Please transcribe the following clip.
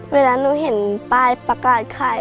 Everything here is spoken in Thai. เวลาหนูเห็นป้ายประกาศขาย